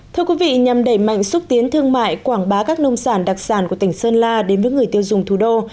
thưa quý vị nhằm đẩy mạnh xúc tiến thương mại quảng bá các nông sản đặc sản của tỉnh sơn la đến với người tiêu dùng thủ đô